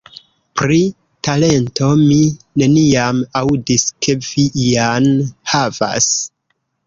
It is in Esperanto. Pri talento mi neniam aŭdis, ke vi ian havas...